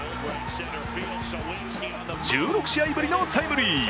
１６試合ぶりのタイムリー。